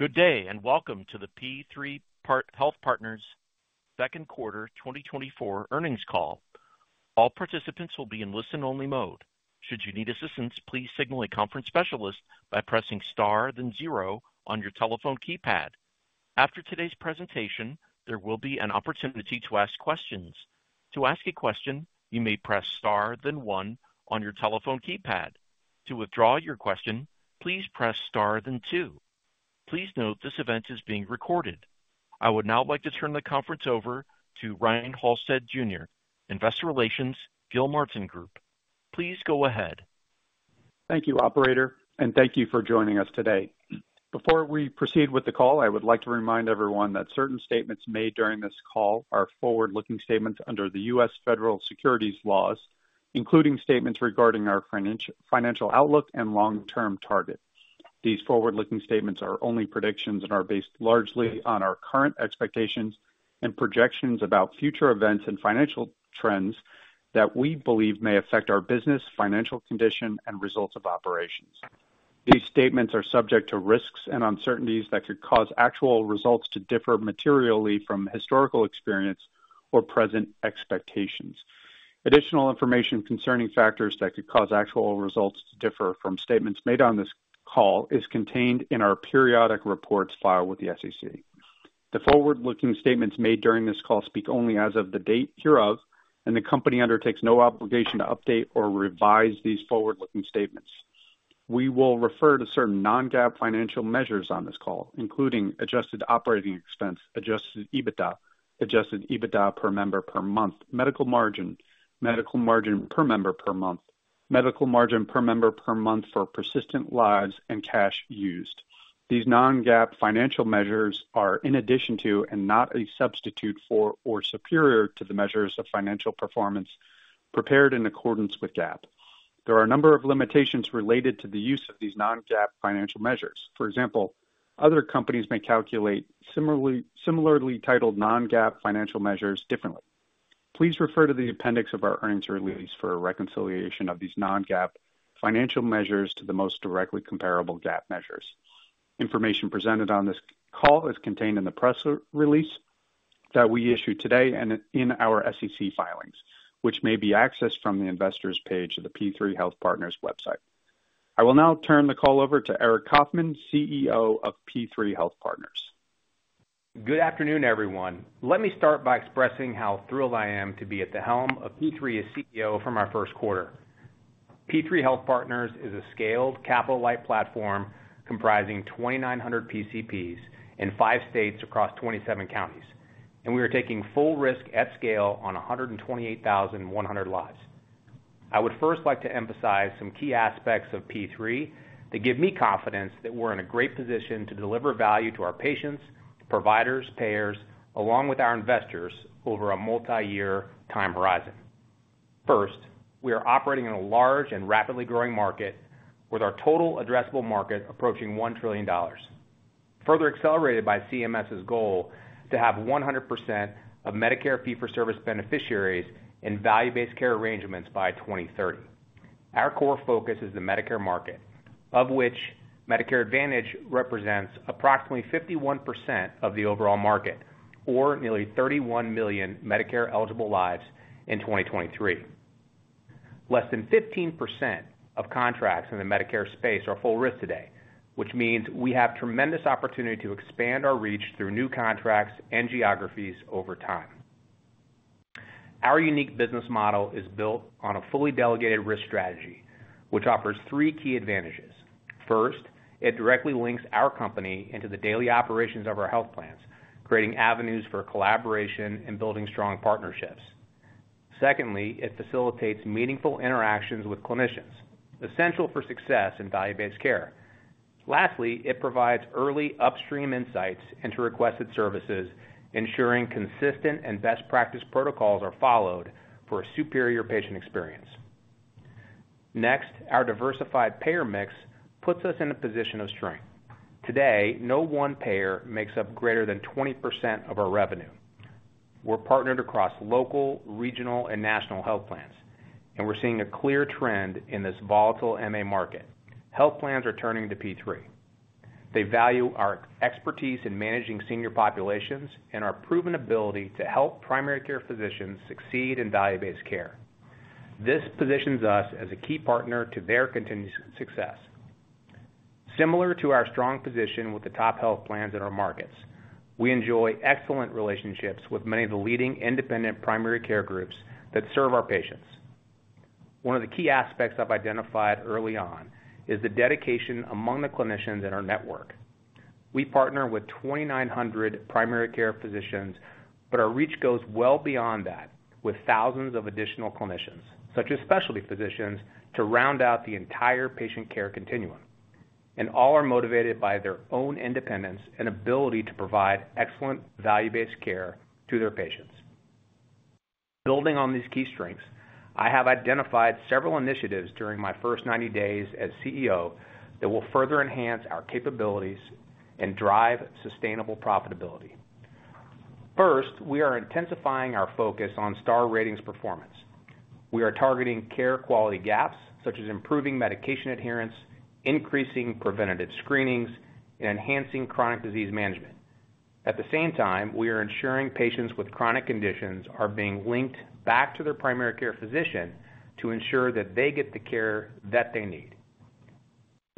Good day, and welcome to the P3 Health Partners second quarter 2024 earnings call. All participants will be in listen-only mode. Should you need assistance, please signal a conference specialist by pressing Star, then zero on your telephone keypad. After today's presentation, there will be an opportunity to ask questions. To ask a question, you may press * then 1 on your telephone keypad. To withdraw your question, please press Star, then two. Please note, this event is being recorded. I would now like to turn the conference over to Ryan Halsted, Investor Relations, Gilmartin Group. Please go ahead. Thank you, operator, and thank you for joining us today. Before we proceed with the call, I would like to remind everyone that certain statements made during this call are forward-looking statements under the U.S. Federal Securities laws, including statements regarding our financial outlook and long-term target. These forward-looking statements are only predictions and are based largely on our current expectations and projections about future events and financial trends that we believe may affect our business, financial condition, and results of operations. These statements are subject to risks and uncertainties that could cause actual results to differ materially from historical experience or present expectations. Additional information concerning factors that could cause actual results to differ from statements made on this call is contained in our periodic reports filed with the SEC. The forward-looking statements made during this call speak only as of the date hereof, and the company undertakes no obligation to update or revise these forward-looking statements. We will refer to certain non-GAAP financial measures on this call, including adjusted operating expense, Adjusted EBITDA, Adjusted EBITDA per member per month, medical margin, medical margin per member per month, medical margin per member per month for persistent lives, and cash used. These non-GAAP financial measures are in addition to and not a substitute for or superior to the measures of financial performance prepared in accordance with GAAP. There are a number of limitations related to the use of these non-GAAP financial measures. For example, other companies may calculate similarly, similarly titled non-GAAP financial measures differently. Please refer to the appendix of our earnings release for a reconciliation of these non-GAAP financial measures to the most directly comparable GAAP measures. Information presented on this call is contained in the press release that we issued today and in our SEC filings, which may be accessed from the investors page of the P3 Health Partners website. I will now turn the call over to Aric Coffman, CEO of P3 Health Partners. Good afternoon, everyone. Let me start by expressing how thrilled I am to be at the helm of P3 as CEO from our first quarter. P3 Health Partners is a scaled capital-light platform comprising 2,900 PCPs in 5 states across 27 counties, and we are taking full risk at scale on 128,100 lives. I would first like to emphasize some key aspects of P3 that give me confidence that we're in a great position to deliver value to our patients, providers, payers, along with our investors over a multi-year time horizon. First, we are operating in a large and rapidly growing market, with our total addressable market approaching $1 trillion, further accelerated by CMS's goal to have 100% of Medicare fee-for-service beneficiaries in value-based care arrangements by 2030. Our core focus is the Medicare market, of which Medicare Advantage represents approximately 51% of the overall market, or nearly 31 million Medicare-eligible lives in 2023. Less than 15% of contracts in the Medicare space are full risk today, which means we have tremendous opportunity to expand our reach through new contracts and geographies over time. Our unique business model is built on a fully delegated risk strategy, which offers 3 key advantages. First, it directly links our company into the daily operations of our health plans, creating avenues for collaboration and building strong partnerships. Secondly, it facilitates meaningful interactions with clinicians, essential for success in value-based care. Lastly, it provides early upstream insights into requested services, ensuring consistent and best practice protocols are followed for a superior patient experience. Next, our diversified payer mix puts us in a position of strength. Today, no one payer makes up greater than 20% of our revenue. We're partnered across local, regional, and national health plans, and we're seeing a clear trend in this volatile MA market. Health plans are turning to P3. They value our expertise in managing senior populations and our proven ability to help primary care physicians succeed in value-based care. This positions us as a key partner to their continued success. Similar to our strong position with the top health plans in our markets, we enjoy excellent relationships with many of the leading independent primary care groups that serve our patients. One of the key aspects I've identified early on is the dedication among the clinicians in our network. We partner with 2,900 primary care physicians, but our reach goes well beyond that, with thousands of additional clinicians, such as specialty physicians, to round out the entire patient care continuum, and all are motivated by their own independence and ability to provide excellent value-based care to their patients. Building on these key strengths, I have identified several initiatives during my first 90 days as CEO that will further enhance our capabilities and drive sustainable profitability.... First, we are intensifying our focus on Star Ratings performance. We are targeting care quality gaps, such as improving medication adherence, increasing preventative screenings, and enhancing chronic disease management. At the same time, we are ensuring patients with chronic conditions are being linked back to their primary care physician to ensure that they get the care that they need.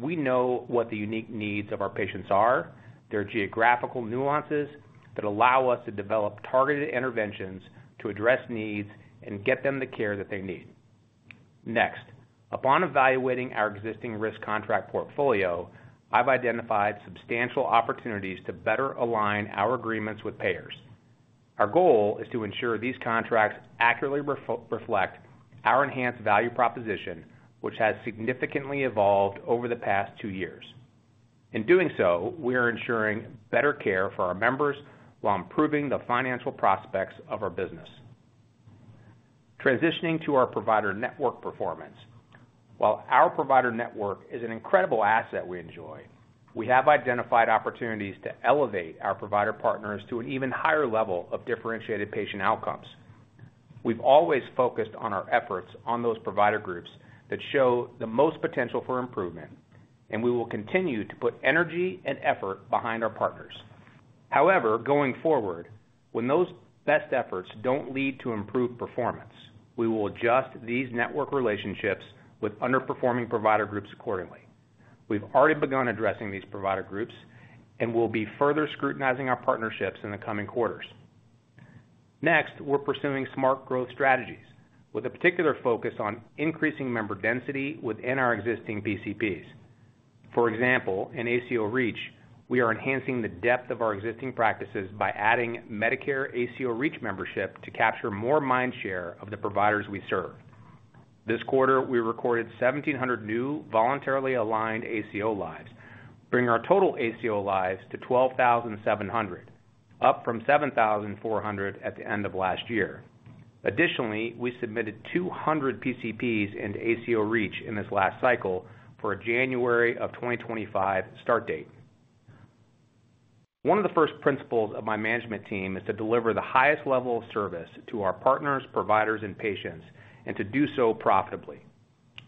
We know what the unique needs of our patients are, their geographical nuances, that allow us to develop targeted interventions to address needs and get them the care that they need. Next, upon evaluating our existing risk contract portfolio, I've identified substantial opportunities to better align our agreements with payers. Our goal is to ensure these contracts accurately reflect our enhanced value proposition, which has significantly evolved over the past two years. In doing so, we are ensuring better care for our members while improving the financial prospects of our business. Transitioning to our provider network performance. While our provider network is an incredible asset we enjoy, we have identified opportunities to elevate our provider partners to an even higher level of differentiated patient outcomes. We've always focused on our efforts on those provider groups that show the most potential for improvement, and we will continue to put energy and effort behind our partners. However, going forward, when those best efforts don't lead to improved performance, we will adjust these network relationships with underperforming provider groups accordingly. We've already begun addressing these provider groups, and we'll be further scrutinizing our partnerships in the coming quarters. Next, we're pursuing smart growth strategies, with a particular focus on increasing member density within our existing PCPs. For example, in ACO REACH, we are enhancing the depth of our existing practices by adding Medicare ACO REACH membership to capture more mind share of the providers we serve. This quarter, we recorded 1,700 new voluntarily aligned ACO lives, bringing our total ACO lives to 12,700, up from 7,400 at the end of last year. Additionally, we submitted 200 PCPs into ACO REACH in this last cycle for a January 2025 start date. One of the first principles of my management team is to deliver the highest level of service to our partners, providers, and patients, and to do so profitably.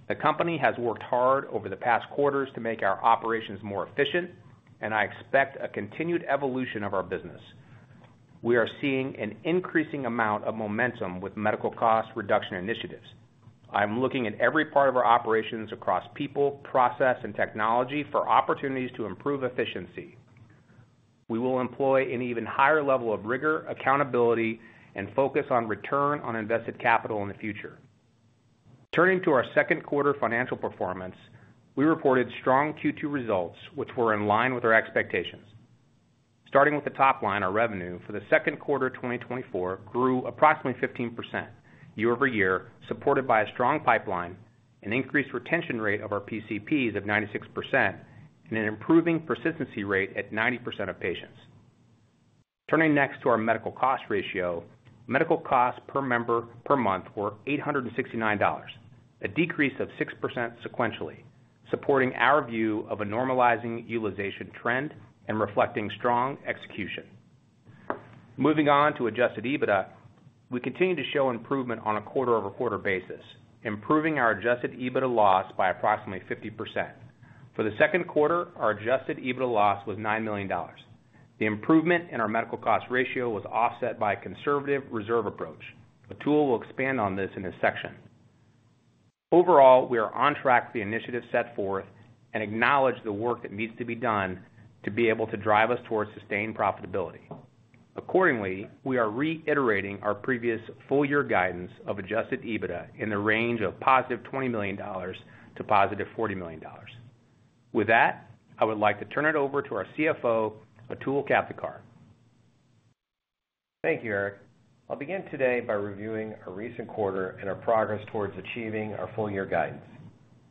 The company has worked hard over the past quarters to make our operations more efficient, and I expect a continued evolution of our business. We are seeing an increasing amount of momentum with medical cost reduction initiatives. I'm looking at every part of our operations across people, process, and technology for opportunities to improve efficiency. We will employ an even higher level of rigor, accountability, and focus on return on invested capital in the future. Turning to our second quarter financial performance, we reported strong Q2 results, which were in line with our expectations. Starting with the top line, our revenue for the second quarter of 2024 grew approximately 15% year over year, supported by a strong pipeline, an increased retention rate of our PCPs of 96%, and an improving persistency rate at 90% of patients. Turning next to our medical cost ratio, medical costs per member per month were $869, a decrease of 6% sequentially, supporting our view of a normalizing utilization trend and reflecting strong execution. Moving on to Adjusted EBITDA, we continue to show improvement on a quarter-over-quarter basis, improving our Adjusted EBITDA loss by approximately 50%. For the second quarter, our adjusted EBITDA loss was $9 million. The improvement in our medical cost ratio was offset by a conservative reserve approach. Atul will expand on this in a section. Overall, we are on track with the initiative set forth and acknowledge the work that needs to be done to be able to drive us towards sustained profitability. Accordingly, we are reiterating our previous full year guidance of adjusted EBITDA in the range of positive $20 million-$40 million. With that, I would like to turn it over to our CFO, Atul Kavthekar. Thank you, Aric. I'll begin today by reviewing our recent quarter and our progress towards achieving our full year guidance.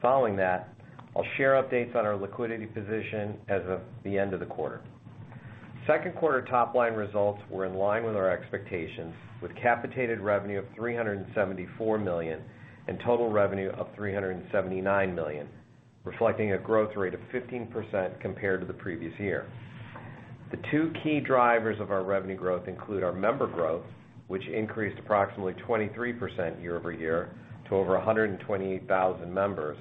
Following that, I'll share updates on our liquidity position as of the end of the quarter. Second quarter top-line results were in line with our expectations, with capitated revenue of $374 million, and total revenue of $379 million, reflecting a growth rate of 15% compared to the previous year. The two key drivers of our revenue growth include our member growth, which increased approximately 23% year-over-year to over 128,000 members,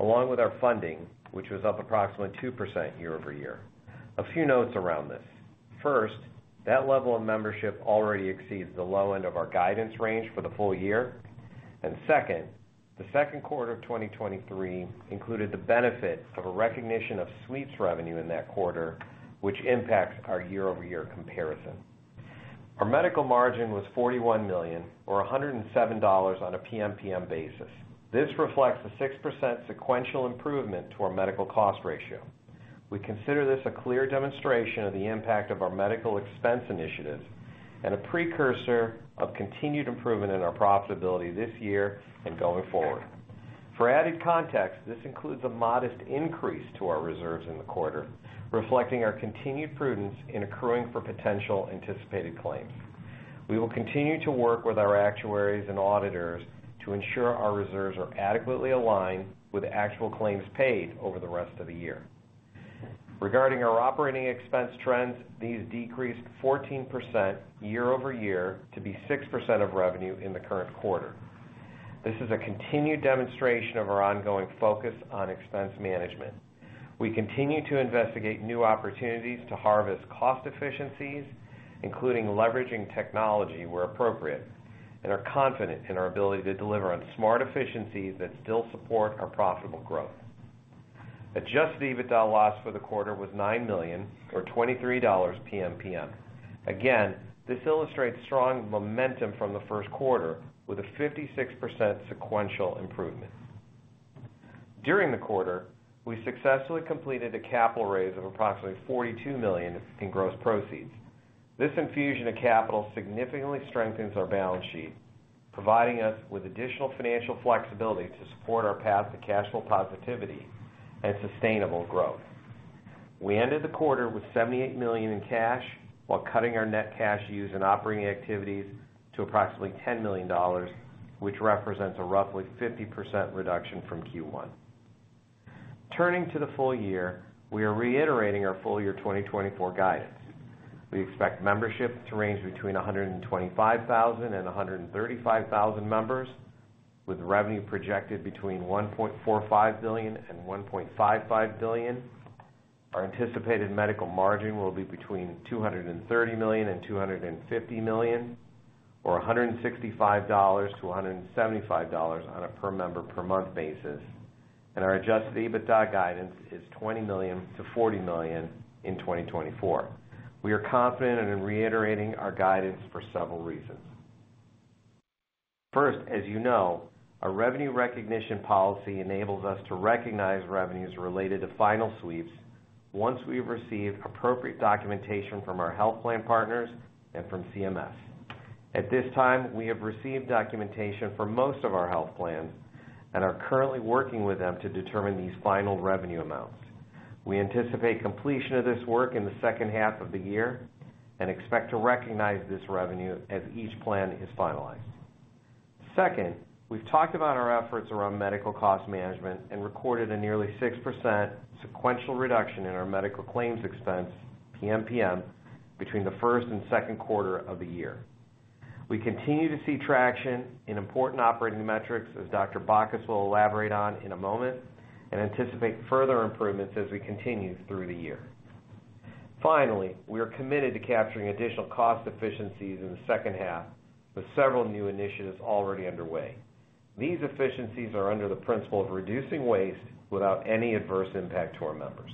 along with our funding, which was up approximately 2% year-over-year. A few notes around this. First, that level of membership already exceeds the low end of our guidance range for the full year. And second, the second quarter of 2023 included the benefit of a recognition of sweeps revenue in that quarter, which impacts our year-over-year comparison. Our medical margin was $41 million, or $107 on a PMPM basis. This reflects a 6% sequential improvement to our medical cost ratio. We consider this a clear demonstration of the impact of our medical expense initiatives, and a precursor of continued improvement in our profitability this year and going forward. For added context, this includes a modest increase to our reserves in the quarter, reflecting our continued prudence in accruing for potential anticipated claims. We will continue to work with our actuaries and auditors to ensure our reserves are adequately aligned with actual claims paid over the rest of the year. Regarding our operating expense trends, these decreased 14% year-over-year to 6% of revenue in the current quarter. This is a continued demonstration of our ongoing focus on expense management. We continue to investigate new opportunities to harvest cost efficiencies, including leveraging technology where appropriate, and are confident in our ability to deliver on smart efficiencies that still support our profitable growth. Adjusted EBITDA loss for the quarter was $9 million or $23 PMPM. Again, this illustrates strong momentum from the first quarter, with a 56% sequential improvement. During the quarter, we successfully completed a capital raise of approximately $42 million in gross proceeds. This infusion of capital significantly strengthens our balance sheet, providing us with additional financial flexibility to support our path to cash flow positivity and sustainable growth. We ended the quarter with $78 million in cash, while cutting our net cash use and operating activities to approximately $10 million, which represents a roughly 50% reduction from Q1. Turning to the full year, we are reiterating our full-year 2024 guidance. We expect membership to range between 125,000 and 135,000 members, with revenue projected between $1.45 billion and $1.55 billion. Our anticipated medical margin will be between $230 million and $250 million, or $165-$175 on a per member per month basis, and our Adjusted EBITDA guidance is $20 million-$40 million in 2024. We are confident in reiterating our guidance for several reasons. First, as you know, our revenue recognition policy enables us to recognize revenues related to final sweeps once we've received appropriate documentation from our health plan partners and from CMS. At this time, we have received documentation for most of our health plans and are currently working with them to determine these final revenue amounts. We anticipate completion of this work in the second half of the year and expect to recognize this revenue as each plan is finalized. Second, we've talked about our efforts around medical cost management and recorded a nearly 6% sequential reduction in our medical claims expense, PMPM, between the first and second quarter of the year. We continue to see traction in important operating metrics, as Dr. Bacchus will elaborate on in a moment, and anticipate further improvements as we continue through the year. Finally, we are committed to capturing additional cost efficiencies in the second half, with several new initiatives already underway. These efficiencies are under the principle of reducing waste without any adverse impact to our members.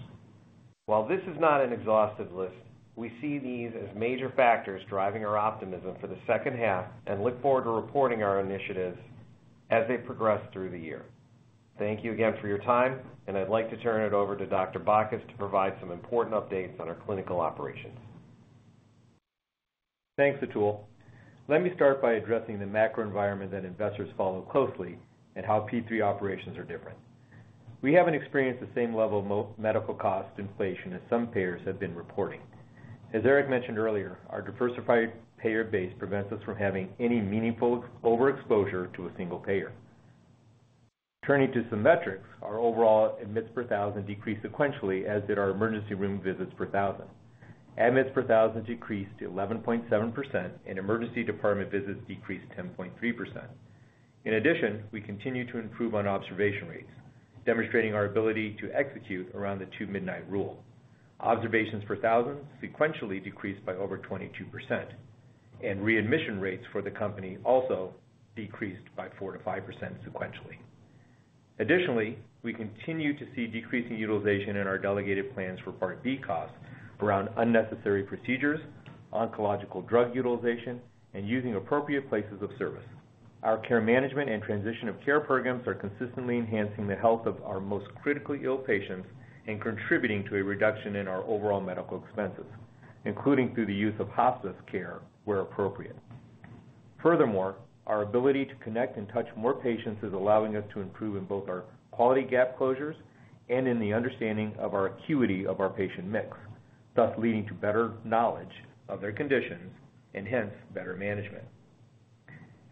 While this is not an exhaustive list, we see these as major factors driving our optimism for the second half and look forward to reporting our initiatives as they progress through the year. Thank you again for your time, and I'd like to turn it over to Dr. Bacchus to provide some important updates on our clinical operations. Thanks, Atul. Let me start by addressing the macro environment that investors follow closely and how P3 operations are different. We haven't experienced the same level of medical cost inflation as some payers have been reporting. As Aric mentioned earlier, our diversified payer base prevents us from having any meaningful overexposure to a single payer. Turning to some metrics, our overall admits per thousand decreased sequentially, as did our emergency room visits per thousand. Admits per thousand decreased to 11.7%, and emergency department visits decreased 10.3%. In addition, we continue to improve on observation rates, demonstrating our ability to execute around the Two-Midnight Rule. Observations per thousand sequentially decreased by over 22%, and readmission rates for the company also decreased by 4%-5% sequentially. Additionally, we continue to see decreasing utilization in our delegated plans for Part B costs around unnecessary procedures, oncological drug utilization, and using appropriate places of service. Our care management and transition of care programs are consistently enhancing the health of our most critically ill patients and contributing to a reduction in our overall medical expenses, including through the use of hospice care where appropriate. Furthermore, our ability to connect and touch more patients is allowing us to improve in both our quality gap closures and in the understanding of our acuity of our patient mix, thus leading to better knowledge of their conditions and hence, better management.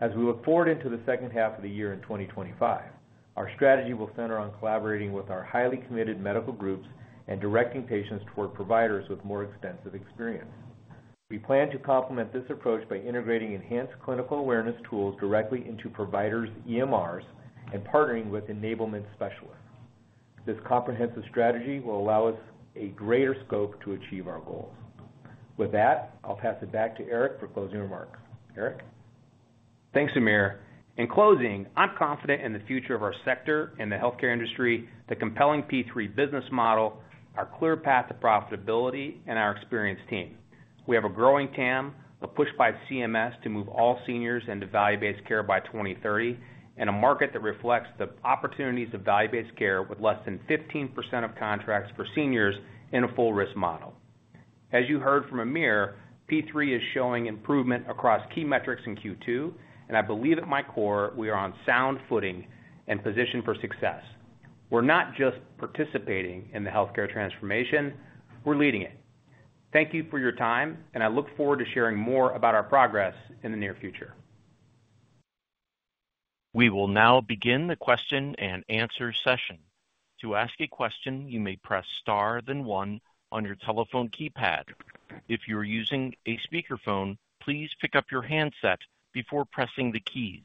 As we look forward into the second half of the year in 2025, our strategy will center on collaborating with our highly committed medical groups and directing patients toward providers with more extensive experience. We plan to complement this approach by integrating enhanced clinical awareness tools directly into providers' EMRs and partnering with enablement specialists. This comprehensive strategy will allow us a greater scope to achieve our goals. With that, I'll pass it back to Aric for closing remarks. Aric? Thanks, Amir. In closing, I'm confident in the future of our sector and the healthcare industry, the compelling P3 business model, our clear path to profitability, and our experienced team. We have a growing TAM, a push by CMS to move all seniors into value-based care by 2030, and a market that reflects the opportunities of value-based care with less than 15% of contracts for seniors in a full risk model. As you heard from Amir, P3 is showing improvement across key metrics in Q2, and I believe at my core, we are on sound footing and positioned for success. ...We're not just participating in the healthcare transformation, we're leading it. Thank you for your time, and I look forward to sharing more about our progress in the near future. We will now begin the question-and-answer session. To ask a question, you may press * then 1 on your telephone keypad. If you're using a speakerphone, please pick up your handset before pressing the keys.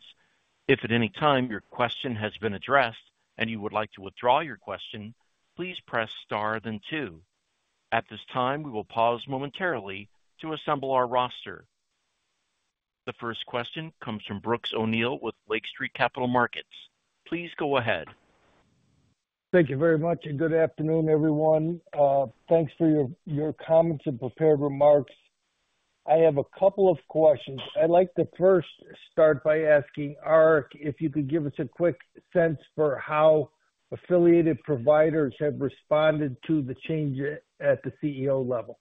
If at any time your question has been addressed and you would like to withdraw your question, please press star, then two. At this time, we will pause momentarily to assemble our roster. The first question comes from Brooks O'Neil with Lake Street Capital Markets. Please go ahead. Thank you very much, and good afternoon, everyone. Thanks for your comments and prepared remarks. I have a couple of questions. I'd like to first start by asking Aric, if you could give us a quick sense for how affiliated providers have responded to the change at the CEO level.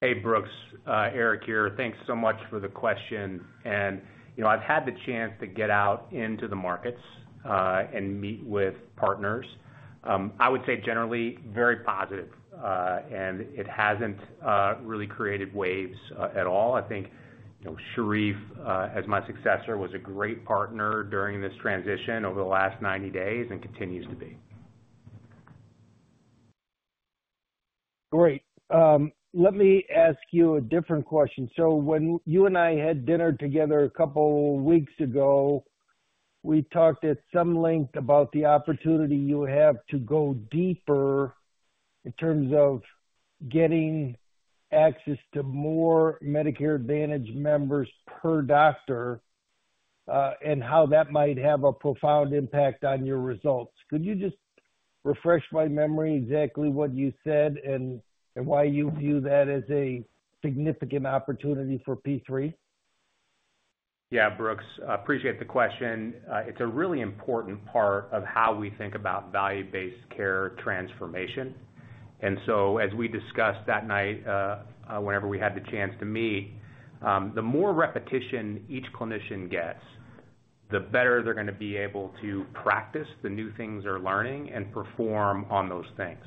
Hey, Brooks, Aric here. Thanks so much for the question. And, you know, I've had the chance to get out into the markets, and meet with partners. I would say generally, very positive, and it hasn't really created waves at all. I think, you know, Sherif, as my successor, was a great partner during this transition over the last 90 days and continues to be. Great. Let me ask you a different question. So when you and I had dinner together a couple weeks ago, we talked at some length about the opportunity you have to go deeper in terms of getting access to more Medicare Advantage members per doctor, and how that might have a profound impact on your results. Could you just refresh my memory exactly what you said and why you view that as a significant opportunity for P3? Yeah, Brooks, I appreciate the question. It's a really important part of how we think about value-based care transformation. And so as we discussed that night, whenever we had the chance to meet, the more repetition each clinician gets, the better they're going to be able to practice the new things they're learning and perform on those things.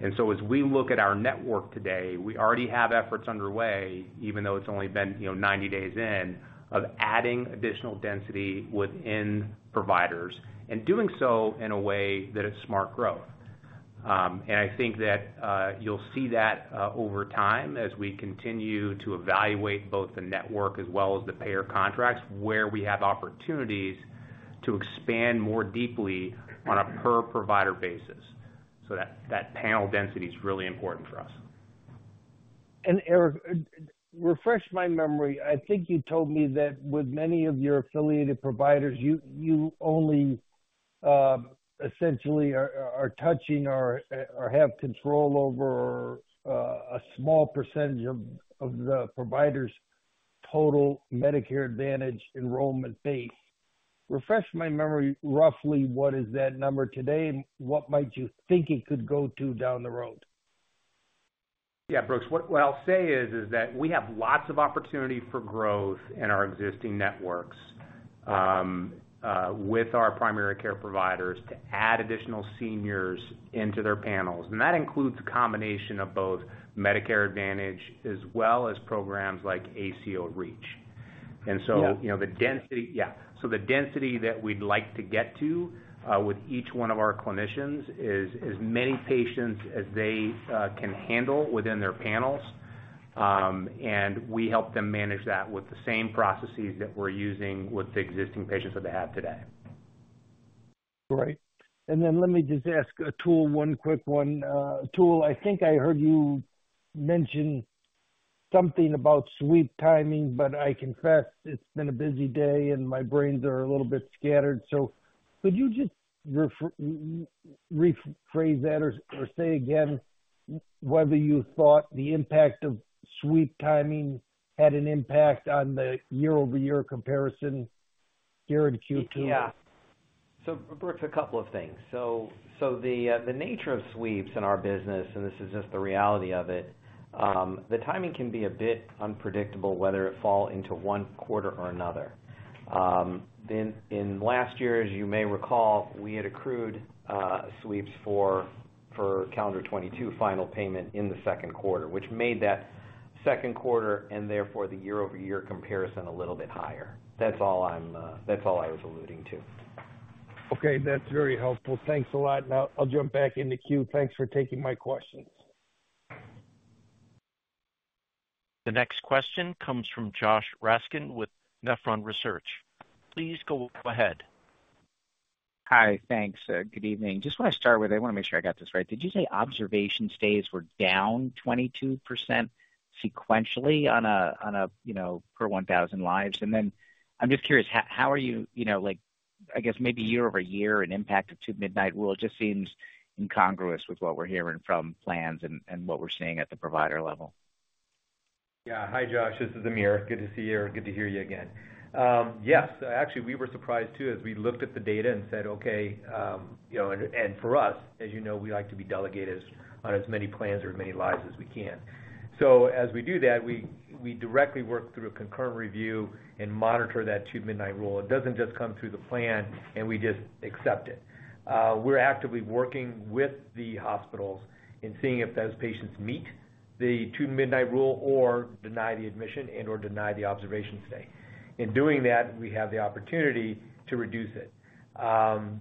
And so as we look at our network today, we already have efforts underway, even though it's only been, you know, 90 days in, of adding additional density within providers and doing so in a way that is smart growth. And I think that you'll see that over time as we continue to evaluate both the network as well as the payer contracts, where we have opportunities to expand more deeply on a per-provider basis. So that panel density is really important for us. And Aric, refresh my memory. I think you told me that with many of your affiliated providers, you only essentially are touching or have control over a small percentage of the provider's total Medicare Advantage enrollment base. Refresh my memory, roughly, what is that number today, and what might you think it could go to down the road? Yeah, Brooks, what I'll say is, is that we have lots of opportunity for growth in our existing networks, with our primary care providers to add additional seniors into their panels. And that includes a combination of both Medicare Advantage as well as programs like ACO REACH. Yeah. And so, you know, the density. Yeah, so the density that we'd like to get to with each one of our clinicians is as many patients as they can handle within their panels, and we help them manage that with the same processes that we're using with the existing patients that they have today. Great. And then let me just ask Atul one quick one. Atul, I think I heard you mention something about sweep timing, but I confess, it's been a busy day, and my brains are a little bit scattered. So could you just rephrase that or, or say again whether you thought the impact of sweep timing had an impact on the year-over-year comparison here in Q2? Yeah. So, Brooks, a couple of things. So, the nature of sweeps in our business, and this is just the reality of it, the timing can be a bit unpredictable, whether it fall into one quarter or another. Then in last year, as you may recall, we had accrued sweeps for calendar 2022, final payment in the second quarter, which made that second quarter and therefore the year-over-year comparison a little bit higher. That's all I'm, that's all I was alluding to. Okay, that's very helpful. Thanks a lot. Now, I'll jump back in the queue. Thanks for taking my questions. The next question comes from Josh Raskin with Nephron Research. Please go ahead. Hi, thanks. Good evening. Just want to start with, I want to make sure I got this right. Did you say observation stays were down 22% sequentially on a, you know, per 1,000 lives? And then I'm just curious, how are you, you know, like, I guess maybe year-over-year, an impact to Two-Midnight Rule just seems incongruous with what we're hearing from plans and what we're seeing at the provider level.... Yeah. Hi, Josh, this is Amir. Good to see you or good to hear you again. Yes, actually, we were surprised, too, as we looked at the data and said, okay, you know, and, and for us, as you know, we like to be delegated on as many plans or as many lives as we can. So as we do that, we, we directly work through a concurrent review and monitor that Two-Midnight Rule. It doesn't just come through the plan and we just accept it. We're actively working with the hospitals and seeing if those patients meet the Two-Midnight Rule or deny the admission and/or deny the observation stay. In doing that, we have the opportunity to reduce it.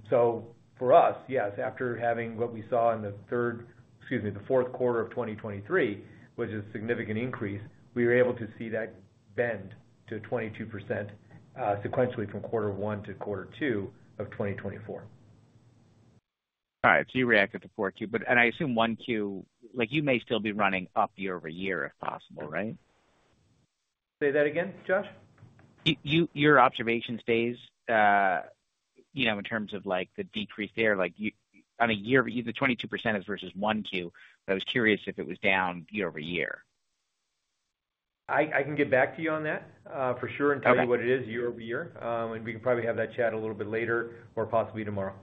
So, for us, yes, after having what we saw in the third, excuse me, the fourth quarter of 2023, which is a significant increase, we were able to see that bend to 22%, sequentially from quarter one to quarter two of 2024. All right, so you reacted to four Q, but I assume one Q, like, you may still be running up year-over-year, if possible, right? Say that again, Josh? You, you, your observation stays, you know, in terms of, like, the decrease there, like, you on a year-over-year, the 22% is versus 1Q, but I was curious if it was down year-over-year. I can get back to you on that for sure. Okay. - and tell you what it is year-over-year. And we can probably have that chat a little bit later or possibly tomorrow.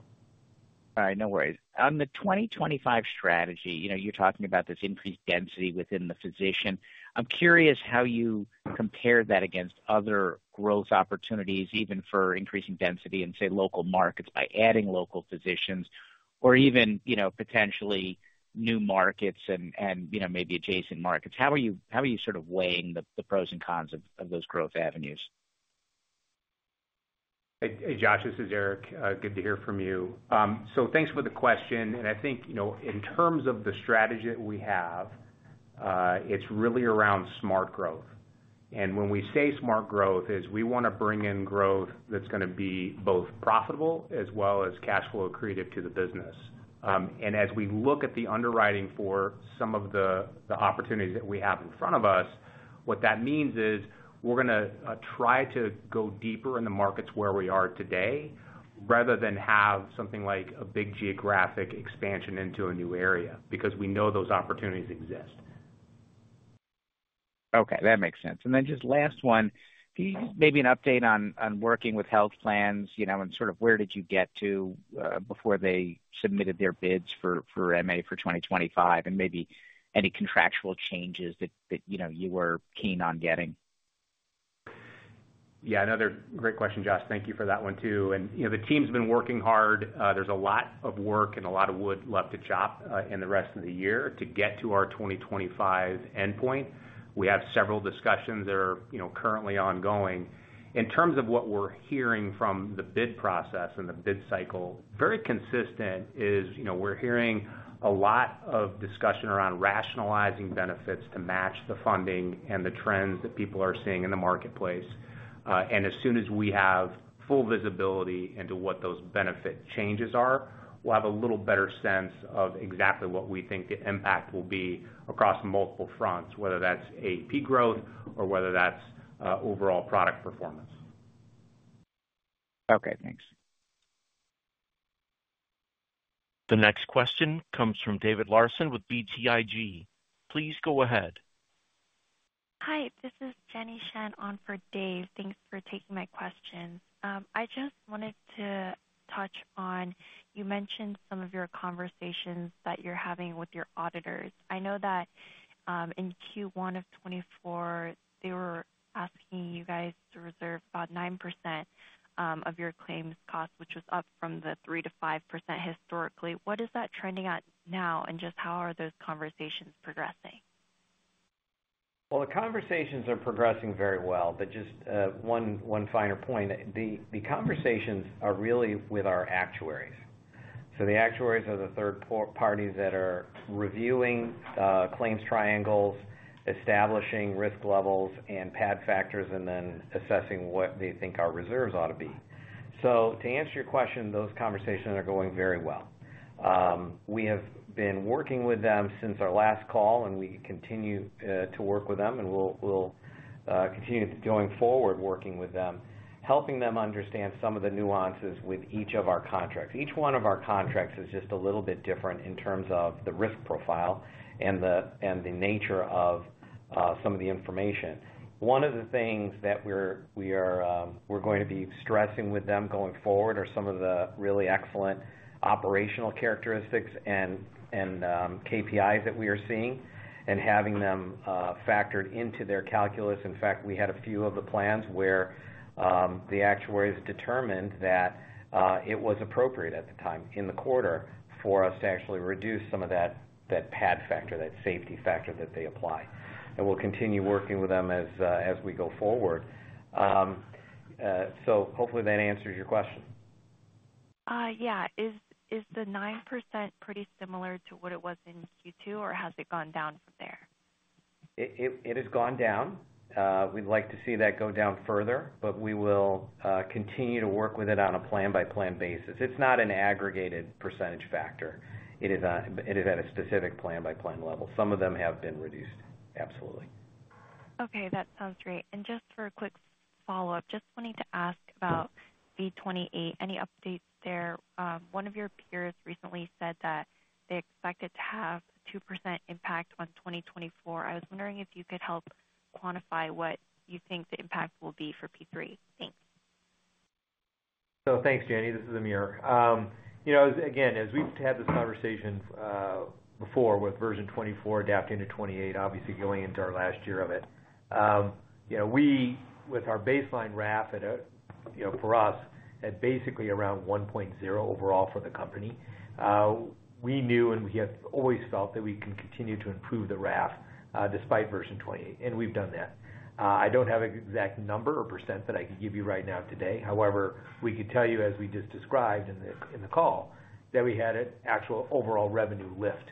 All right. No worries. On the 2025 strategy, you know, you're talking about this increased density within the physician. I'm curious how you compare that against other growth opportunities, even for increasing density in, say, local markets, by adding local physicians or even, you know, potentially new markets and, you know, maybe adjacent markets. How are you sort of weighing the pros and cons of those growth avenues? Hey, Josh, this is Aric. Good to hear from you. So thanks for the question, and I think, you know, in terms of the strategy that we have, it's really around smart growth. And when we say smart growth, is we want to bring in growth that's going to be both profitable as well as cash flow accretive to the business. And as we look at the underwriting for some of the opportunities that we have in front of us, what that means is, we're going to try to go deeper in the markets where we are today, rather than have something like a big geographic expansion into a new area, because we know those opportunities exist. Okay, that makes sense. Then just last one, can you maybe an update on working with health plans, you know, and sort of where did you get to before they submitted their bids for MA for 2025, and maybe any contractual changes that you know, you were keen on getting? Yeah, another great question, Josh. Thank you for that one, too. You know, the team's been working hard. There's a lot of work and a lot of wood left to chop in the rest of the year to get to our 2025 endpoint. We have several discussions that are, you know, currently ongoing. In terms of what we're hearing from the bid process and the bid cycle, very consistent is, you know, we're hearing a lot of discussion around rationalizing benefits to match the funding and the trends that people are seeing in the marketplace. As soon as we have full visibility into what those benefit changes are, we'll have a little better sense of exactly what we think the impact will be across multiple fronts, whether that's AP growth or whether that's overall product performance. Okay, thanks. The next question comes from David Larsen with BTIG. Please go ahead. Hi, this is Jenny Shen on for Dave. Thanks for taking my question. I just wanted to touch on, you mentioned some of your conversations that you're having with your auditors. I know that, in Q1 of 2024, they were asking you guys to reserve about 9%, of your claims costs, which was up from the 3%-5% historically. What is that trending at now, and just how are those conversations progressing? Well, the conversations are progressing very well. But just one finer point, the conversations are really with our actuaries. So the actuaries are the third parties that are reviewing claims triangles, establishing risk levels and pad factors, and then assessing what they think our reserves ought to be. So to answer your question, those conversations are going very well. We have been working with them since our last call, and we continue to work with them, and we'll continue going forward, working with them, helping them understand some of the nuances with each of our contracts. Each one of our contracts is just a little bit different in terms of the risk profile and the nature of some of the information. One of the things that we're going to be stressing with them going forward are some of the really excellent operational characteristics and KPIs that we are seeing, and having them factored into their calculus. In fact, we had a few of the plans where the actuaries determined that it was appropriate at the time in the quarter for us to actually reduce some of that pad factor, that safety factor that they apply. And we'll continue working with them as we go forward. So hopefully that answers your question. Yeah. Is the 9% pretty similar to what it was in Q2, or has it gone down from there? It has gone down. We'd like to see that go down further, but we will continue to work with it on a plan-by-plan basis. It's not an aggregated percentage factor. It is at a specific plan-by-plan level. Some of them have been reduced. Absolutely. Okay, that sounds great. And just for a quick follow-up-... Follow-up, just wanting to ask about V28. Any updates there? One of your peers recently said that they expected to have 2% impact on 2024. I was wondering if you could help quantify what you think the impact will be for P3. Thanks. So thanks, Jenny. This is Amir. You know, again, as we've had this conversation before with version 24 adapting to 28, obviously going into our last year of it, you know, we, with our baseline RAF at a, you know, for us, at basically around 1.0 overall for the company, we knew and we have always felt that we can continue to improve the RAF, despite version 28, and we've done that. I don't have an exact number or % that I could give you right now today. However, we could tell you, as we just described in the call, that we had an actual overall revenue lift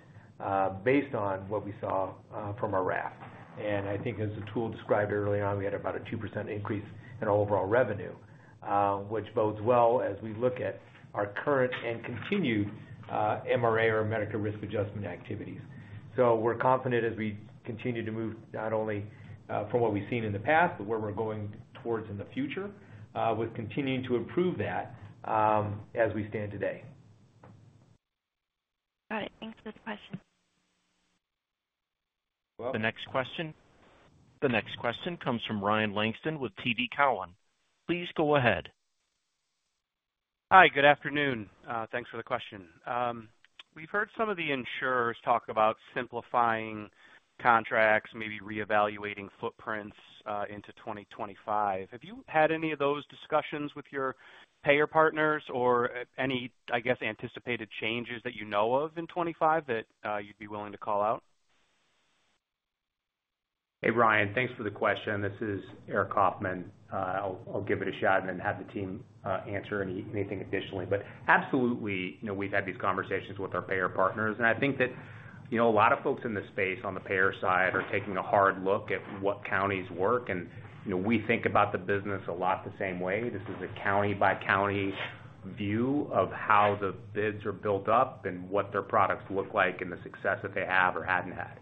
based on what we saw from our RAF. I think as Atul described early on, we had about a 2% increase in overall revenue, which bodes well as we look at our current and continued MRA or medical risk adjustment activities. So we're confident as we continue to move, not only from what we've seen in the past, but where we're going towards in the future with continuing to improve that, as we stand today. Got it. Thanks for the question. The next question, the next question comes from Ryan Langston with TD Cowen. Please go ahead. Hi, good afternoon. Thanks for the question. We've heard some of the insurers talk about simplifying contracts, maybe reevaluating footprints, into 2025. Have you had any of those discussions with your payer partners or any, I guess, anticipated changes that you know of in 2025 that, you'd be willing to call out? Hey, Ryan, thanks for the question. This is Aric Coffman. I'll give it a shot and then have the team answer anything additionally. But absolutely, you know, we've had these conversations with our payer partners, and I think that, you know, a lot of folks in this space on the payer side are taking a hard look at what counties work, and, you know, we think about the business a lot the same way. This is a county-by-county view of how the bids are built up and what their products look like and the success that they have or haven't had.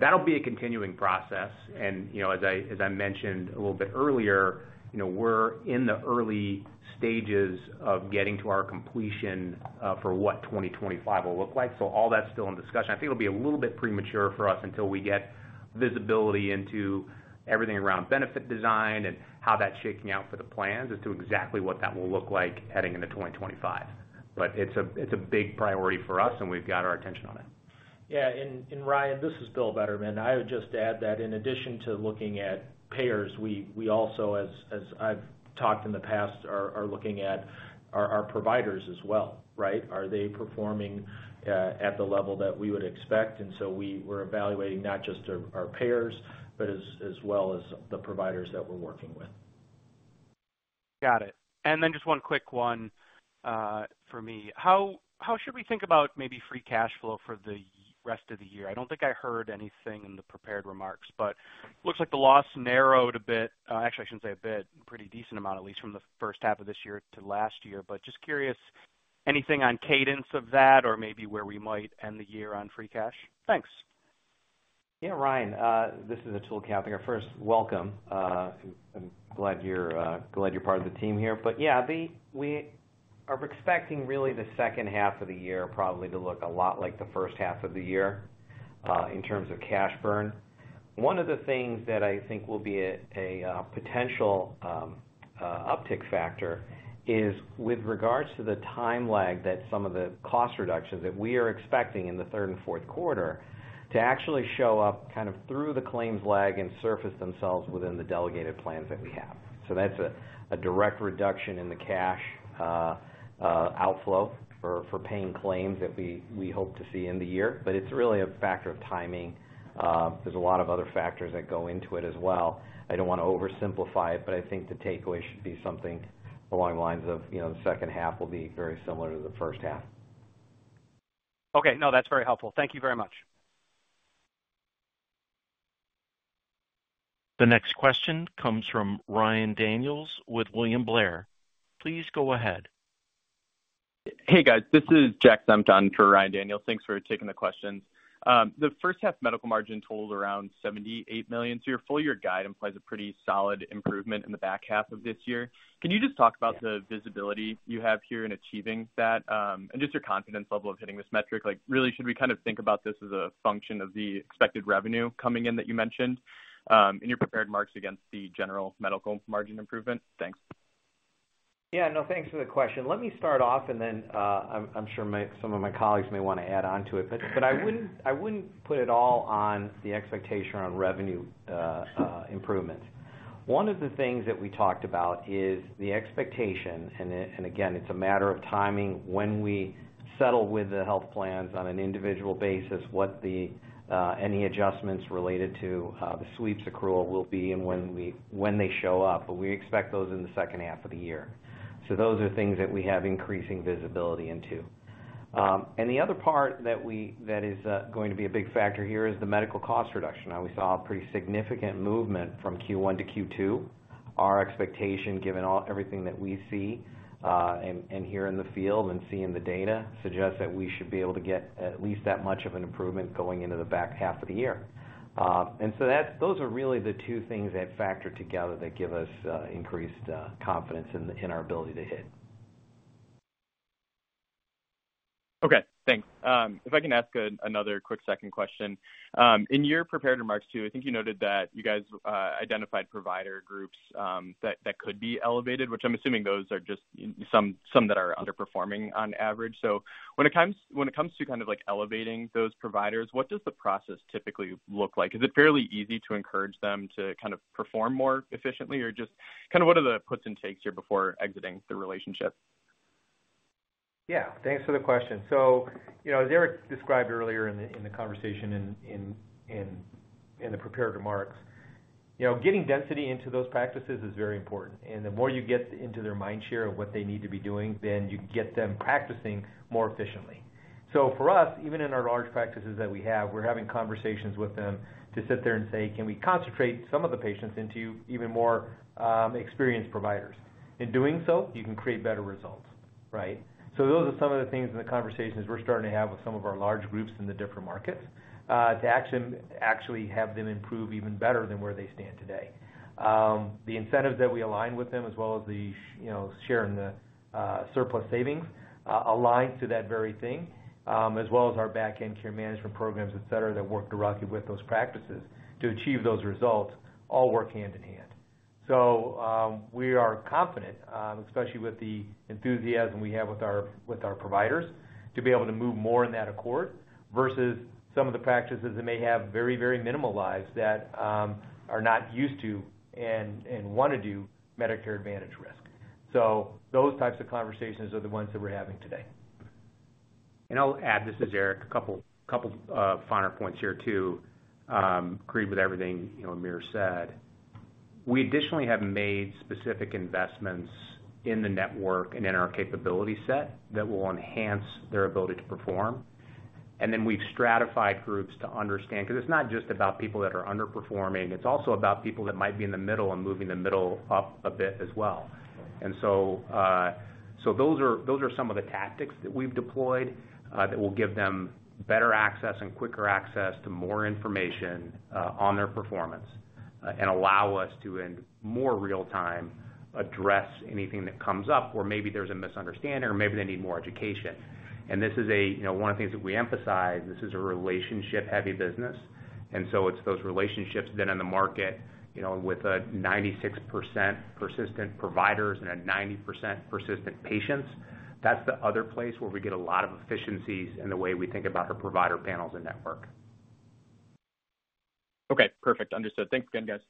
That'll be a continuing process, and, you know, as I mentioned a little bit earlier, you know, we're in the early stages of getting to our completion for what 2025 will look like. So all that's still in discussion. I think it'll be a little bit premature for us until we get visibility into everything around benefit design and how that's shaking out for the plans as to exactly what that will look like heading into 2025. But it's a, it's a big priority for us, and we've got our attention on it. Yeah, and Ryan, this is Bill Bettermann. I would just add that in addition to looking at payers, we also, as I've talked in the past, are looking at our providers as well, right? Are they performing at the level that we would expect? And so we were evaluating not just our payers, but as well as the providers that we're working with. Got it. And then just one quick one for me. How should we think about maybe free cash flow for the rest of the year? I don't think I heard anything in the prepared remarks, but looks like the loss narrowed a bit. Actually, I shouldn't say a bit, pretty decent amount, at least from the first half of this year to last year. But just curious, anything on cadence of that or maybe where we might end the year on free cash? Thanks. Yeah, Ryan, this is Atul Kavthekar here. First, welcome. I'm glad you're glad you're part of the team here. But, yeah, we are expecting really the second half of the year probably to look a lot like the first half of the year in terms of cash burn. One of the things that I think will be a potential uptick factor is with regards to the time lag that some of the cost reductions that we are expecting in the third and fourth quarter to actually show up kind of through the claims lag and surface themselves within the delegated plans that we have. So that's a direct reduction in the cash outflow for paying claims that we hope to see in the year. But it's really a factor of timing. There's a lot of other factors that go into it as well. I don't want to oversimplify it, but I think the takeaway should be something along the lines of, you know, the second half will be very similar to the first half. Okay. No, that's very helpful. Thank you very much. The next question comes from Ryan Daniels with William Blair. Please go ahead. Hey, guys. This is Jack Senft for Ryan Daniels. Thanks for taking the questions. The first half medical margin totaled around $78 million, so your full year guide implies a pretty solid improvement in the back half of this year. Can you just talk about the visibility you have here in achieving that, and just your confidence level of hitting this metric? Like, really, should we kind of think about this as a function of the expected revenue coming in that you mentioned, in your prepared remarks against the general medical margin improvement? Thanks. Yeah. No, thanks for the question. Let me start off, and then I'm sure some of my colleagues may want to add on to it. But I wouldn't put it all on the expectation around revenue improvement. One of the things that we talked about is the expectation, and again, it's a matter of timing, when we settle with the health plans on an individual basis, what the any adjustments related to the sweeps accrual will be and when they show up, but we expect those in the second half of the year. So those are things that we have increasing visibility into. And the other part that is going to be a big factor here is the medical cost reduction. Now, we saw a pretty significant movement from Q1 to Q2. Our expectation, given all, everything that we see, and hear in the field and see in the data, suggests that we should be able to get at least that much of an improvement going into the back half of the year. And so those are really the two things that factor together that give us increased confidence in our ability to hit. ... Okay, thanks. If I can ask another quick second question. In your prepared remarks, too, I think you noted that you guys identified provider groups that could be elevated, which I'm assuming those are just some that are underperforming on average. So when it comes to kind of, like, elevating those providers, what does the process typically look like? Is it fairly easy to encourage them to kind of perform more efficiently? Or just kind of what are the puts and takes here before exiting the relationship? Yeah, thanks for the question. So, you know, as Aric described earlier in the conversation in the prepared remarks, you know, getting density into those practices is very important, and the more you get into their mind share of what they need to be doing, then you get them practicing more efficiently. So for us, even in our large practices that we have, we're having conversations with them to sit there and say, "Can we concentrate some of the patients into even more experienced providers? In doing so, you can create better results," right? So those are some of the things in the conversations we're starting to have with some of our large groups in the different markets to actually have them improve even better than where they stand today. The incentives that we align with them, as well as the, you know, share in the surplus savings, align to that very thing, as well as our backend care management programs, et cetera, that work directly with those practices to achieve those results, all work hand in hand. So, we are confident, especially with the enthusiasm we have with our, with our providers, to be able to move more in that accord, versus some of the practices that may have very, very minimal lives that are not used to and, and wanna do Medicare Advantage risk. So those types of conversations are the ones that we're having today. I'll add—this is Aric—a couple finer points here, too. Agree with everything, you know, Amir said. We additionally have made specific investments in the network and in our capability set that will enhance their ability to perform, and then we've stratified groups to understand, 'cause it's not just about people that are underperforming, it's also about people that might be in the middle and moving the middle up a bit as well. So those are some of the tactics that we've deployed that will give them better access and quicker access to more information on their performance. And allow us to, in more real time, address anything that comes up, or maybe there's a misunderstanding, or maybe they need more education. This is a, you know, one of the things that we emphasize. This is a relationship-heavy business, and so it's those relationships then in the market, you know, with a 96% persistent providers and a 90% persistent patients. That's the other place where we get a lot of efficiencies in the way we think about our provider panels and network. Okay, perfect. Understood. Thanks again, guys.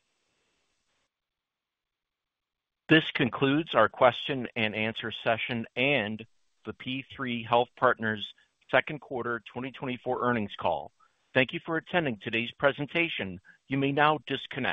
This concludes our question and answer session, and the P3 Health Partners second quarter 2024 earnings call. Thank you for attending today's presentation. You may now disconnect.